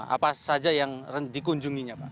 apa saja yang dikunjunginya pak